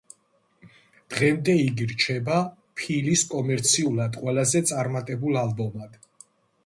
დღემდე იგი რჩება ფილის კომერციულად ყველაზე წარმატებულ ალბომად.